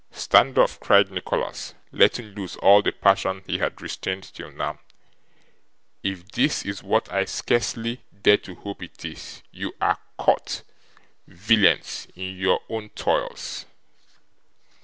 'Stand off!' cried Nicholas, letting loose all the passion he had restrained till now; 'if this is what I scarcely dare to hope it is, you are caught, villains, in your own toils.